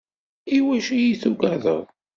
I wacu iyi-tugadeḍ?